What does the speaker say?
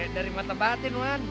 dari mata batin wan